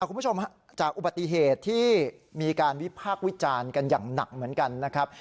คุณผู้ชมฮะจากอุบัติเหตุที่มีการวิพากษ์วิจารณ์กันอย่างหนักเหมือนกันนะครับ